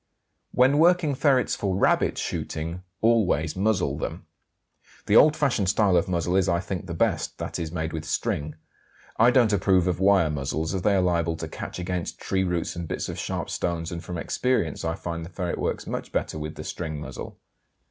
WHEN WORKING FERRETS FOR RABBIT SHOOTING always muzzle them. The old fashioned style of muzzle is, I think, the best, that is, made with string. I don't approve of wire muzzles, as they are liable to catch against tree roots and bits of sharp stones, and from experience I find the ferret works much better with the string muzzle.